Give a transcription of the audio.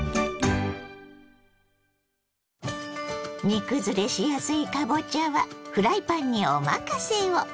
煮崩れしやすいかぼちゃはフライパンにお任せを！